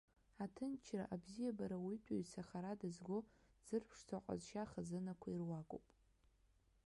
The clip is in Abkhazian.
Аҭынчра абзиабара ауаҩытәыҩса хара дызго, дзырԥшӡо аҟазшьа хазынақәа ируакуп.